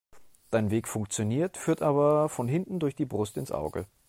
Dein Weg funktioniert, führt aber von hinten durch die Brust ins Auge.